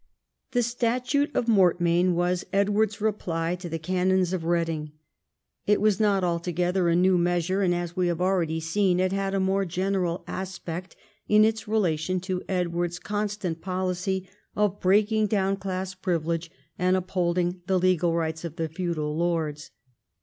The Statute of Mortmain was Edward's reply to the Canons of Reading. It was not altogether a new measure, and, as we have already seen, it had a more general aspect in its relation to Edward's constant policy of breaking down class privilege and upholding the legal rights of the feudal lords.